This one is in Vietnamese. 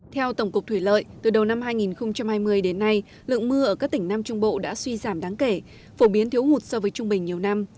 theo tổng cục thủy lợi từ đầu năm hai nghìn hai mươi đến nay lượng mưa ở các tỉnh nam trung bộ đã suy giảm đáng kể phổ biến thiếu hụt so với trung bình nhiều năm